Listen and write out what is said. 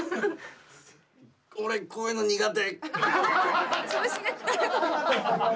俺こういうの苦手。